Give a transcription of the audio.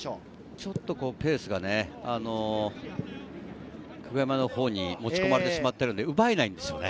ちょっとペースがね、久我山のほうに持ち込まれてしまってるので、奪えないんですよね。